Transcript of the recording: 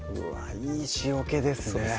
いい塩けですね